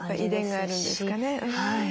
遺伝があるんですかね。